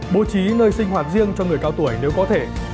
bố trí nơi sinh hoạt riêng cho người cao tuổi nếu có thể